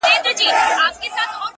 د يو ښايستې سپيني كوتري په څېر’